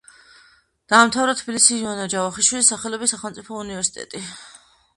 დაამთავრა თბილისის ივანე ჯავახიშვილის სახელობის სახელმწიფო უნივერსიტეტი.